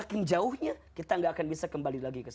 saking jauhnya kita gak akan bisa kembali lagi kesana